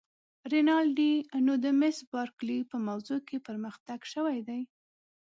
رینالډي: نو د مس بارکلي په موضوع کې پرمختګ شوی دی؟